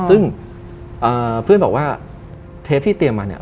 ซึ่งเพื่อนบอกว่าเทปที่เตรียมมาเนี่ย